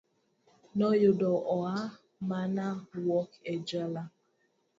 Noyudo oa mana wuok e jela.